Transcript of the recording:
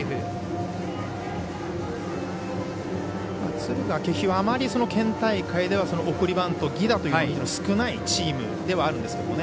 敦賀気比はあまり県大会では送りバント、犠打が少ないチームではあるんですよね。